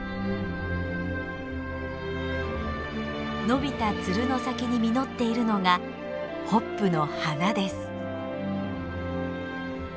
伸びたツルの先に実っているのがホップの花です。